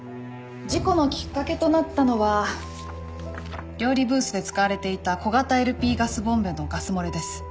事故のきっかけとなったのは料理ブースで使われていた小型ＬＰガスボンベのガス漏れです。